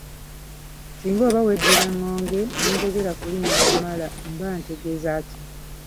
Singa oba weddira ngonge n'enjogera ku linnya Wamala mba ntegeeza ki?